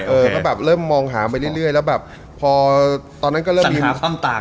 เออก็แบบเริ่มมองหาไปเรื่อยแล้วแบบพอตอนนั้นก็เริ่มมีขั้นต่าง